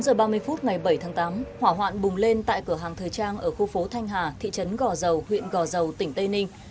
bốn giờ ba mươi phút ngày bảy tháng tám hỏa hoạn bùng lên tại cửa hàng thời trang ở khu phố thanh hà thị trấn gò dầu huyện gò dầu tỉnh tây ninh